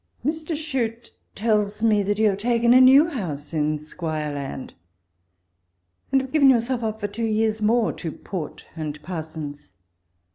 Mr. Chute tells me that you have taken a new house in Squireland, and have given yourself up for two years more to port and parsons.